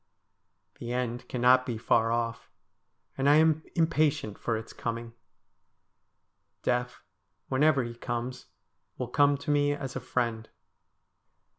The end cannot be far off, and I am impatient for its coming. Death, whenever he comes, will come to me as a friend.